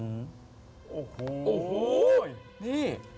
นี่